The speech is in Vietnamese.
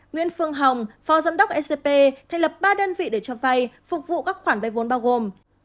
nguyễn phương hồng phó giám đốc scp thành lập ba đơn vị để cho vai phục vụ các khoản vai vốn bao gồm